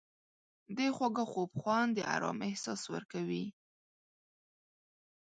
د خواږه خوب خوند د آرام احساس ورکوي.